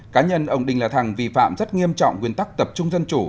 cá nhân ông đinh la thăng vi phạm rất nghiêm trọng nguyên tắc tập trung dân chủ